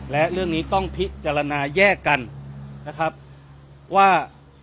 และเรื่องนี้ต้องพิจารณาแยกกันนะครับว่า